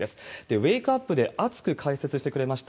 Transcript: ウェークアップで熱く解説してくれました、